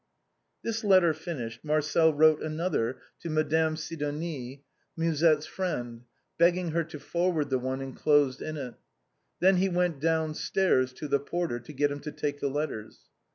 This letter finished, Marcel wrote another to Madame 256 THE BOHEMIANS OF THE LATIN QUARTER. Sidonie, Musette's friend, begging her to forward the one enclosed in it. Then he went downstairs to the porter to get him to take the letters.